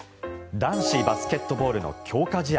男子バスケットボールの強化試合。